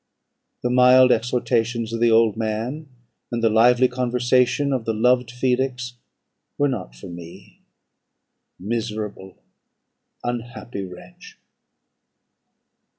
The mild exhortations of the old man, and the lively conversation of the loved Felix, were not for me. Miserable, unhappy wretch!